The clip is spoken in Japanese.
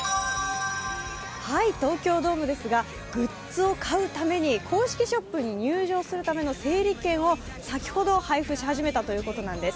東京ドームですがグッズを買うために公式ショップに入場するための整理券を先ほど配布し始めたというところです。